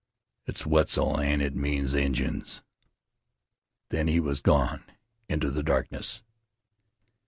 "It's Wetzel, an' it means Injuns!" Then he was gone into the darkness.